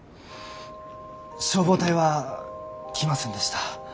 消防隊は来ませんでした。